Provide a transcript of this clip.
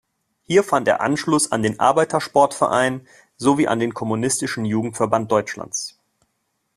Hier fand er Anschluss an den Arbeitersportverein sowie an den Kommunistischen Jugendverband Deutschlands.